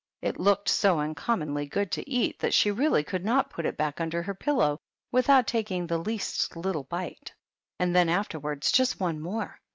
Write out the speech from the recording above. It looked so uncommonly good to eat, that she really could not put it back under the pillow without taking the least little bite, and then afterwards just one more.